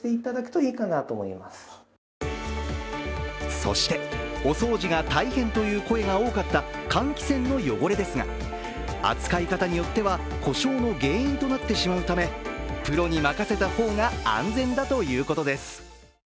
そして、お掃除が大変という声が多かった換気扇の汚れですが扱い方によっては故障の原因となってしまうため、プロに任せた方が安全だということです。